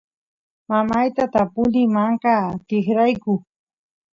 mamayta tapuni manka tikrakuy